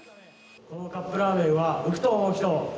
このカップラーメンが浮くと思う人。